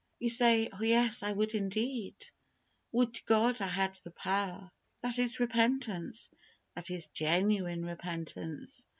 You say, "Oh yes, I would indeed. Would to God I had the power." That is repentance; that is genuine repentance.